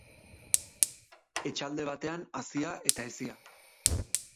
Etxalde batean hazia eta hezia.